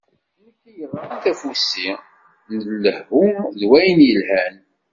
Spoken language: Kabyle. Nekk i yeɣran tafusi n lehhu d wayen yelhan.